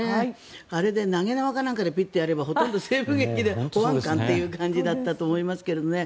あれで投げ縄かなんかでぴってやれば西部劇の保安官という感じだったと思いますがね。